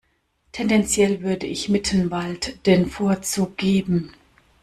Tendenziell würde ich Mittenwald den Vorzug geben.